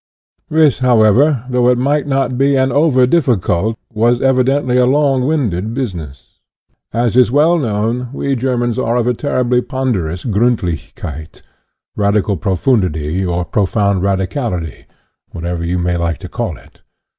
This, however, though it might not be an over difficult, was evidently a long winded, business. As is well known, we Germans are of a terribly ponderous Griindlichkeit, radical profundity or profound radicality, whatever you may like to call it.